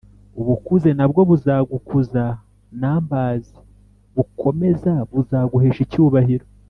ubukuze na bwo buzagukuza, numbersbukomeza buzaguhesha icyubahiro